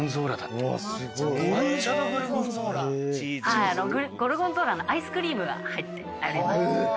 はいゴルゴンゾーラのアイスクリームが入って。